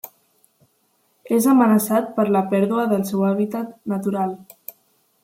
És amenaçat per la pèrdua del seu hàbitat natural.